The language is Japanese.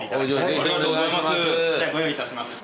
ではご用意いたします。